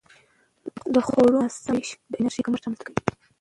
د خوړو ناسم وېش د انرژي کمښت رامنځته کوي.